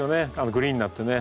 グリーンになってね。